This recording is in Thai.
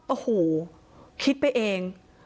โอ้โหคิดไปเอง